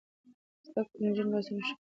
زده کړې نجونې بحثونه ښه کوي.